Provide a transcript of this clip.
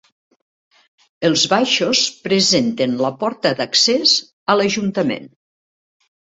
Els baixos presenten la porta d'accés a l'Ajuntament.